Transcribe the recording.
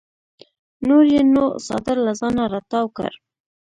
نور یې نو څادر له ځانه راتاو کړ.